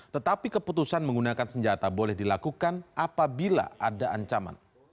tetapi keputusan menggunakan senjata boleh dilakukan apabila ada ancaman